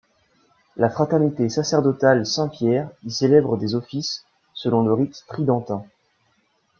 La Fraternité sacerdotale Saint-Pierre y célèbre des offices selon le rite tridentin.